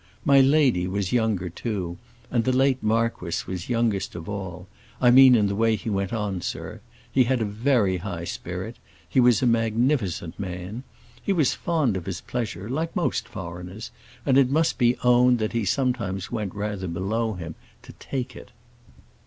My lady was younger, too, and the late marquis was youngest of all—I mean in the way he went on, sir; he had a very high spirit; he was a magnificent man. He was fond of his pleasure, like most foreigners, and it must be owned that he sometimes went rather below him to take it.